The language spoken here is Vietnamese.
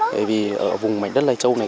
bởi vì ở vùng mảnh đất lai châu này